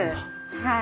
はい。